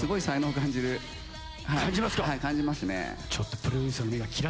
感じますね。